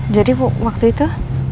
jadi waktu itu